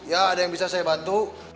ya ada yang bisa saya bantu